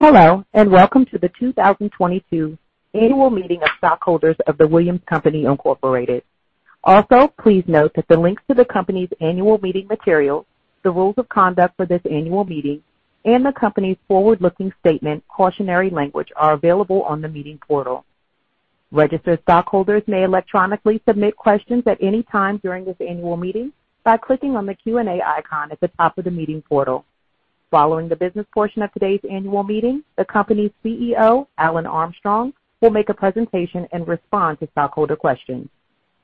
Hello, and Welcome to the 2022 Annual Meeting of Stockholders of The Williams Companies, Inc. Also, please note that the links to the company's annual meeting materials, the rules of conduct for this annual meeting, and the company's forward-looking statement cautionary language are available on the meeting portal. Registered stockholders may electronically submit questions at any time during this annual meeting by clicking on the Q&A icon at the top of the meeting portal. Following the business portion of today's annual meeting, the company's CEO, Alan Armstrong, will make a presentation and respond to stockholder questions.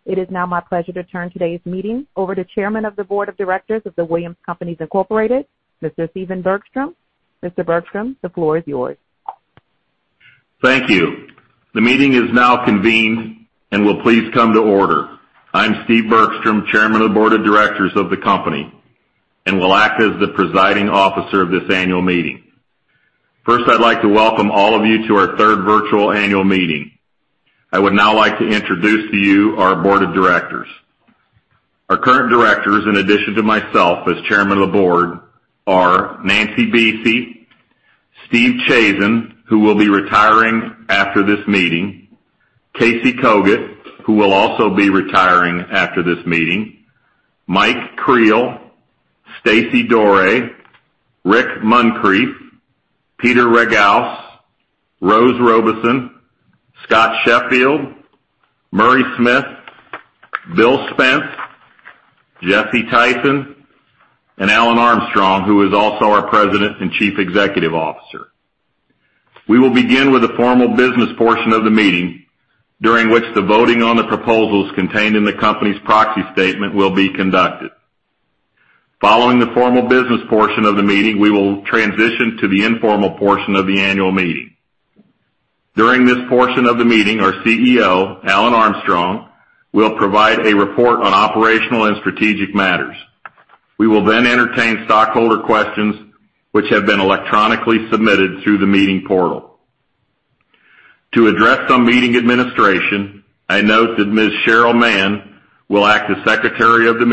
It is now my pleasure to turn today's meeting over to Chairman of the Board of Directors of The Williams Companies, Inc., Mr. Stephen Bergstrom. Mr. Bergstrom, the floor is yours. Thank you. The meeting is now convened and will please come to order. I'm Steve Bergstrom, Chairman of the Board of Directors of the company, and will act as the presiding officer of this annual meeting. First, I'd like to welcome all of you to our third virtual annual meeting. I would now like to introduce to you our board of directors. Our current directors, in addition to myself as chairman of the board, are Nancy Buese, Steve Chazen, who will be retiring after this meeting, Casey Cogut, who will also be retiring after this meeting, Mike Creel, Stacey Doré, Rick Muncrief, Peter Ragauss, Rose Robeson, Scott Sheffield, Murray Smith, Bill Spence, Jesse Tyson, and Alan Armstrong, who is also our President and Chief Executive Officer. We will begin with the formal business portion of the meeting, during which the voting on the proposals contained in the company's proxy statement will be conducted. Following the formal business portion of the meeting, we will transition to the informal portion of the annual meeting. During this portion of the meeting, our CEO, Alan Armstrong, will provide a report on operational and strategic matters. We will then entertain stockholder questions which have been electronically submitted through the meeting portal. To address some meeting administration, I note that Ms. Cheryl Mann will act as secretary of the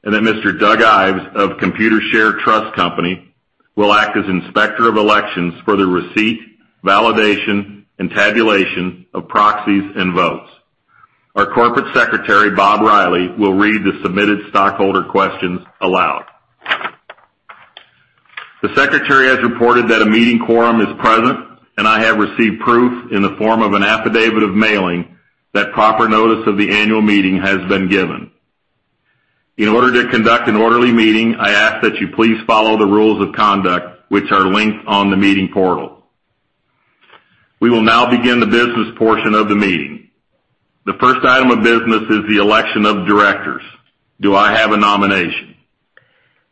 meeting, and that Mr. Doug Ives of Computershare Trust Company will act as inspector of elections for the receipt, validation, and tabulation of proxies and votes. Our corporate secretary, Bob Riley, will read the submitted stockholder questions aloud. The secretary has reported that a meeting quorum is present, and I have received proof in the form of an affidavit of mailing that proper notice of the annual meeting has been given. In order to conduct an orderly meeting, I ask that you please follow the rules of conduct which are linked on the meeting portal. We will now begin the business portion of the meeting. The first item of business is the election of directors. Do I have a nomination?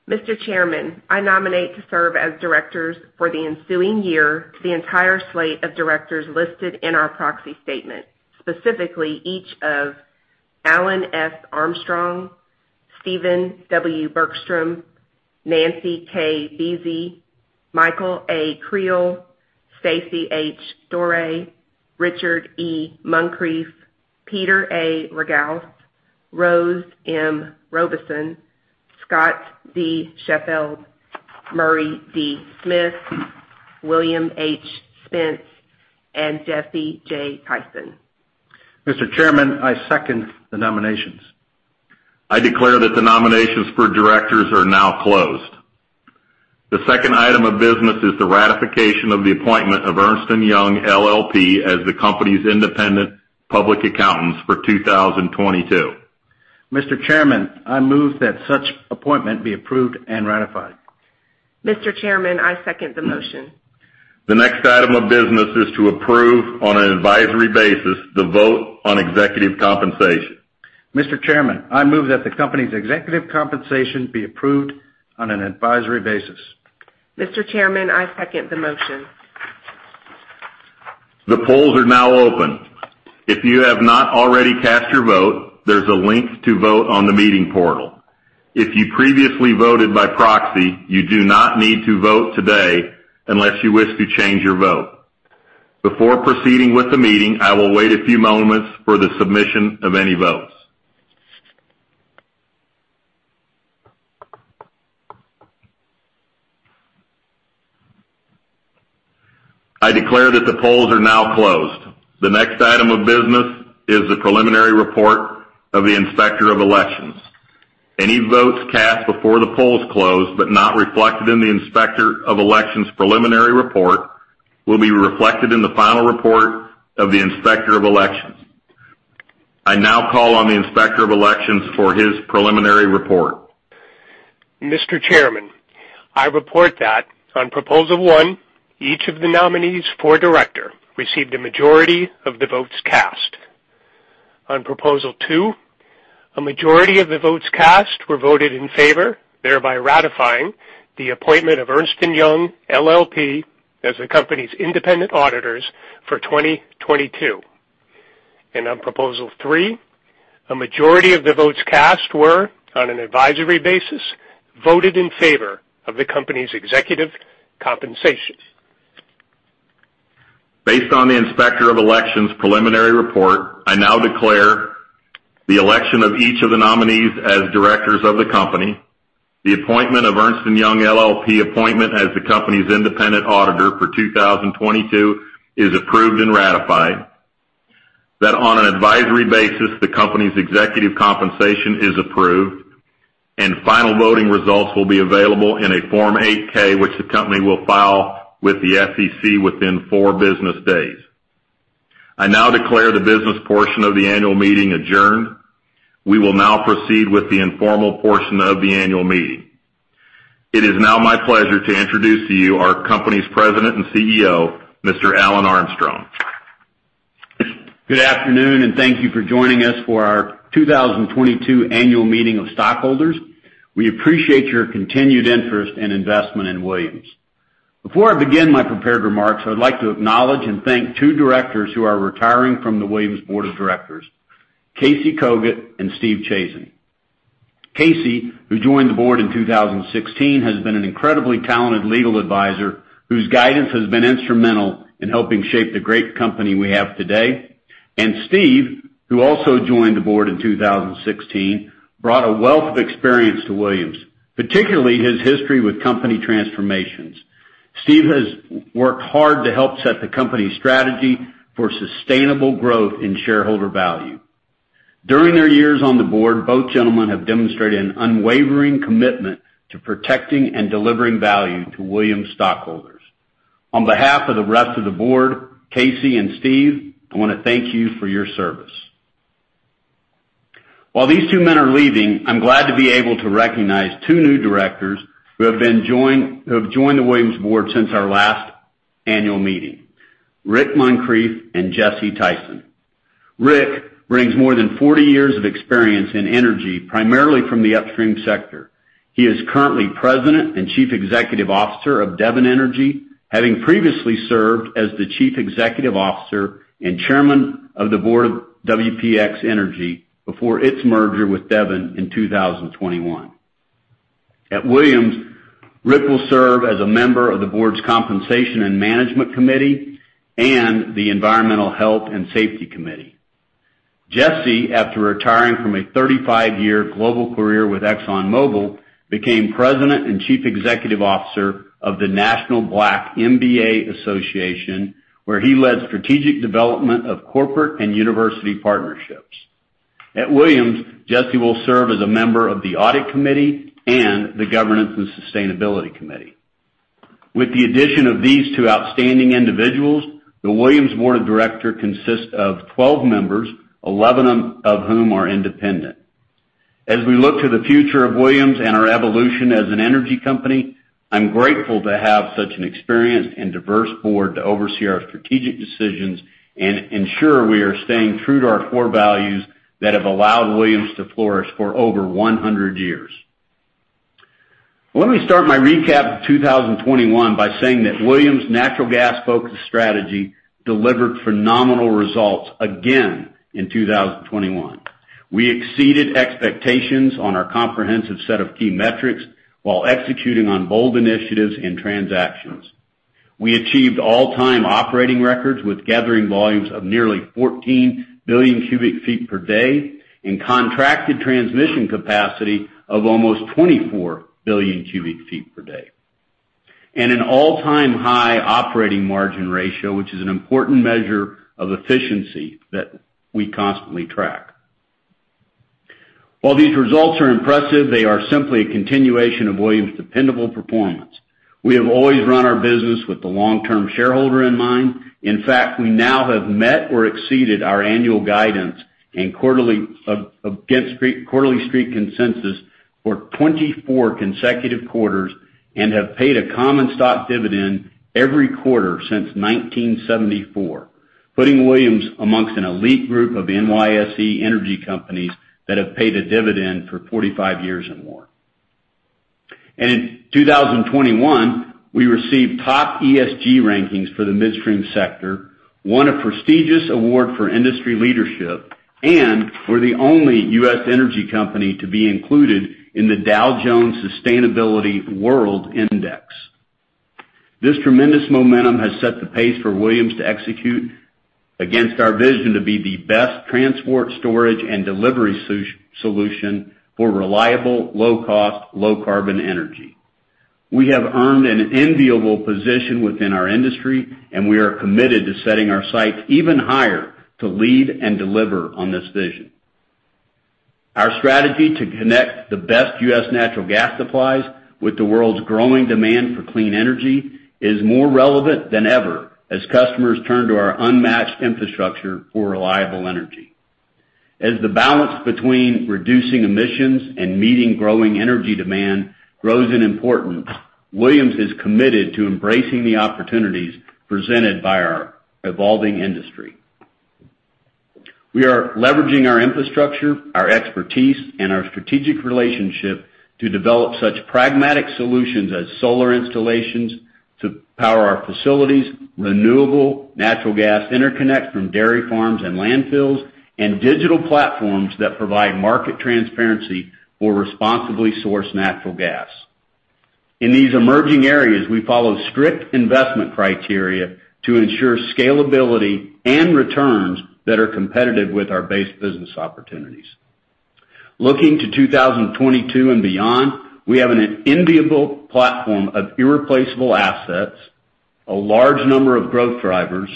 Mr. Chairman, I nominate to serve as directors for the ensuing year the entire slate of directors listed in our proxy statement, specifically each of Alan S. Armstrong, Stephen W. Bergstrom, Nancy K. Buese, Michael A. Creel, Stacey H. Doré, Richard E. Muncrief, Peter A. Ragauss, Rose M. Robeson, Scott D. Sheffield, Murray D. Smith, William H. Spence, and Jesse J. Tyson. Mr. Chairman, I second the nominations. I declare that the nominations for directors are now closed. The second item of business is the ratification of the appointment of Ernst & Young LLP as the company's independent public accountants for 2022. Mr. Chairman, I move that such appointment be approved and ratified. Mr. Chairman, I second the motion. The next item of business is to approve on an advisory basis the vote on executive compensation. Mr. Chairman, I move that the company's executive compensation be approved on an advisory basis. Mr. Chairman, I second the motion. The polls are now open. If you have not already cast your vote, there's a link to vote on the meeting portal. If you previously voted by proxy, you do not need to vote today unless you wish to change your vote. Before proceeding with the meeting, I will wait a few moments for the submission of any votes. I declare that the polls are now closed. The next item of business is the preliminary report of the inspector of elections. Any votes cast before the polls closed but not reflected in the inspector of election's preliminary report will be reflected in the final report of the inspector of elections. I now call on the inspector of elections for his preliminary report. Mr. Chairman, I report that on proposal one, each of the nominees for director received a majority of the votes cast. On proposal two, a majority of the votes cast were voted in favor, thereby ratifying the appointment of Ernst & Young LLP as the company's independent auditors for 2022. On proposal three, a majority of the votes cast were, on an advisory basis, voted in favor of the company's executive compensation. Based on the Inspector of Elections' preliminary report, I now declare the election of each of the nominees as directors of the company. The appointment of Ernst & Young LLP as the company's independent auditor for 2022 is approved and ratified. That on an advisory basis, the company's executive compensation is approved, and final voting results will be available in a Form 8-K, which the company will file with the SEC within four business days. I now declare the business portion of the annual meeting adjourned. We will now proceed with the informal portion of the annual meeting. It is now my pleasure to introduce to you our company's President and CEO, Mr. Alan Armstrong. Good afternoon, and thank you for joining us for our 2022 annual meeting of stockholders. We appreciate your continued interest and investment in Williams. Before I begin my prepared remarks, I would like to acknowledge and thank two directors who are retiring from the Williams Board of Directors, Casey Cogut and Steve Chazen. Casey, who joined the board in 2016, has been an incredibly talented legal advisor, whose guidance has been instrumental in helping shape the great company we have today. Steve, who also joined the board in 2016, brought a wealth of experience to Williams, particularly his history with company transformations. Steve has worked hard to help set the company's strategy for sustainable growth and shareholder value. During their years on the board, both gentlemen have demonstrated an unwavering commitment to protecting and delivering value to Williams stockholders. On behalf of the rest of the board, Casey and Steve, I wanna thank you for your service. While these two men are leaving, I'm glad to be able to recognize two new directors who have joined the Williams board since our last annual meeting, Rick Muncrief and Jesse Tyson. Rick brings more than 40 years of experience in energy, primarily from the upstream sector. He is currently President and Chief Executive Officer of Devon Energy, having previously served as the Chief Executive Officer and Chairman of the Board of WPX Energy before its merger with Devon in 2021. At Williams, Rick will serve as a member of the board's Compensation and Management Committee and the Environmental Health and Safety Committee. Jesse, after retiring from a 35-year global career with ExxonMobil, became President and Chief Executive Officer of the National Black MBA Association, where he led strategic development of corporate and university partnerships. At Williams, Jesse will serve as a member of the Audit Committee and the Governance and Sustainability Committee. With the addition of these two outstanding individuals, the Williams Board of Directors consists of 12 members, 11 of whom are independent. As we look to the future of Williams and our evolution as an energy company, I'm grateful to have such an experienced and diverse board to oversee our strategic decisions and ensure we are staying true to our core values that have allowed Williams to flourish for over 100 years. Let me start my recap of 2021 by saying that Williams' natural gas-focused strategy delivered phenomenal results again in 2021. We exceeded expectations on our comprehensive set of key metrics while executing on bold initiatives and transactions. We achieved all-time operating records with gathering volumes of nearly 14 billion cubic feet per day and contracted transmission capacity of almost 24 billion cubic feet per day, and an all-time high operating margin ratio, which is an important measure of efficiency that we constantly track. While these results are impressive, they are simply a continuation of Williams' dependable performance. We have always run our business with the long-term shareholder in mind. In fact, we now have met or exceeded our annual guidance and quarterly street consensus for 24 consecutive quarters and have paid a common stock dividend every quarter since 1974, putting Williams amongst an elite group of NYSE energy companies that have paid a dividend for 45 years or more. In 2021, we received top ESG rankings for the midstream sector, won a prestigious award for industry leadership, and we're the only U.S. energy company to be included in the Dow Jones Sustainability World Index. This tremendous momentum has set the pace for Williams to execute against our vision to be the best transport, storage, and delivery solution for reliable, low-cost, low-carbon energy. We have earned an enviable position within our industry, and we are committed to setting our sights even higher to lead and deliver on this vision. Our strategy to connect the best U.S. natural gas supplies with the world's growing demand for clean energy is more relevant than ever as customers turn to our unmatched infrastructure for reliable energy. As the balance between reducing emissions and meeting growing energy demand grows in importance, Williams is committed to embracing the opportunities presented by our evolving industry. We are leveraging our infrastructure, our expertise, and our strategic relationship to develop such pragmatic solutions as solar installations to power our facilities, renewable natural gas interconnect from dairy farms and landfills, and digital platforms that provide market transparency for responsibly sourced natural gas. In these emerging areas, we follow strict investment criteria to ensure scalability and returns that are competitive with our base business opportunities. Looking to 2022 and beyond, we have an enviable platform of irreplaceable assets, a large number of growth drivers,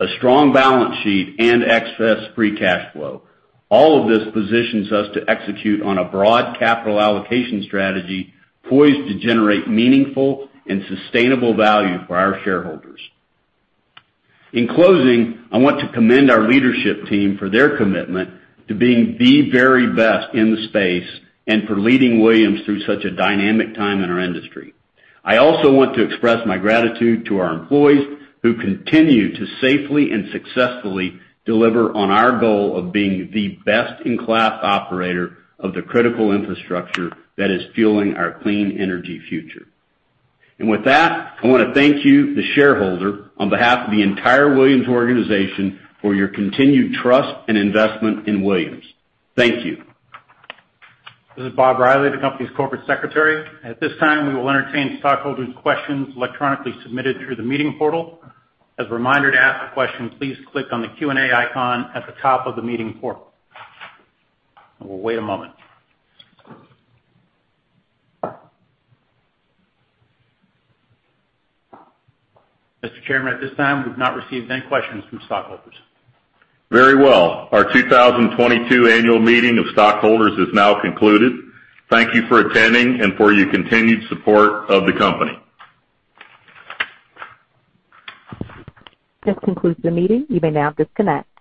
a strong balance sheet and excess free cash flow. All of this positions us to execute on a broad capital allocation strategy poised to generate meaningful and sustainable value for our shareholders. In closing, I want to commend our leadership team for their commitment to being the very best in the space and for leading Williams through such a dynamic time in our industry. I also want to express my gratitude to our employees who continue to safely and successfully deliver on our goal of being the best-in-class operator of the critical infrastructure that is fueling our clean energy future. With that, I wanna thank you, the shareholder, on behalf of the entire Williams organization for your continued trust and investment in Williams. Thank you. This is Bob Riley, the company's corporate secretary. At this time, we will entertain stockholders' questions electronically submitted through the meeting portal. As a reminder, to ask a question, please click on the Q&A icon at the top of the meeting portal. We'll wait a moment. Mr. Chairman, at this time, we've not received any questions from stockholders. Very well. Our 2022 annual meeting of stockholders is now concluded. Thank you for attending and for your continued support of the company. This concludes the meeting. You may now disconnect.